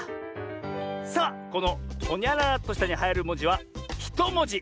さあこの「ほにゃららっとした」にはいるもじは１もじ。